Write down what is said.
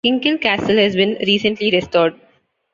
Kinkell Castle has been recently restored.